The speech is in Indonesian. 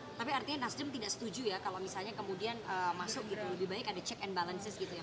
oke tapi artinya nasdem tidak setuju ya kalau misalnya kemudian masuk gitu lebih baik ada check and balances gitu ya